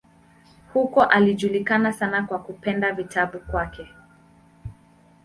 Huko alijulikana sana kwa kupenda vitabu kwake.